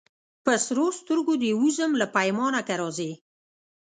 په سرو سترګو دي وزم له پیمانه که راځې